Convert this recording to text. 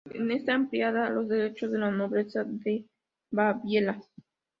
En esta ampliaba los derechos de la nobleza de Baviera.